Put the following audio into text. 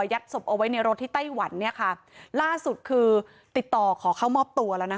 ยัดศพเอาไว้ในรถที่ไต้หวันเนี่ยค่ะล่าสุดคือติดต่อขอเข้ามอบตัวแล้วนะคะ